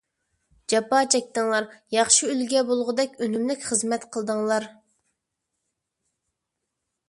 جاپا چەكتىڭلار. ياخشى ئۈلگە بولغۇدەك ئۈنۈملۈك خىزمەت قىلدىڭلار.